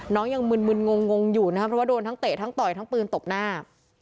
ยังมึนงงอยู่นะครับเพราะว่าโดนทั้งเตะทั้งต่อยทั้งปืนตบหน้า